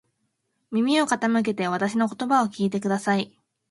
耳を傾けてわたしの言葉を聞いてください。